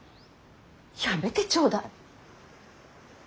やめてちょうだい。